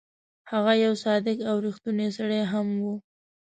هغه یو صادق او ریښتونی سړی هم وو.